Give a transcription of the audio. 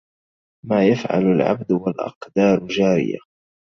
ما يفعل العبد والأقدار جارية